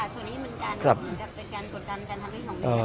ร่างฉบับประชาชนีเหมือนกัน